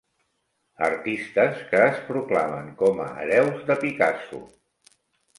Artistes que es proclamen com a hereus de Picasso.